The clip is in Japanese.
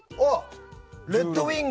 レッドウィング。